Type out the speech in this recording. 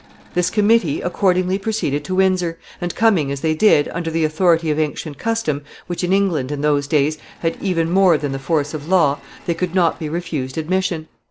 This committee accordingly proceeded to Windsor, and coming, as they did, under the authority of ancient custom, which in England, in those days, had even more than the force of law, they could not be refused admission.